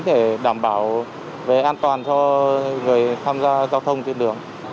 để đảm bảo về an toàn cho người tham gia giao thông trên đường